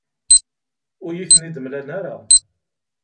Ur iyi-ten-id-mlan ara.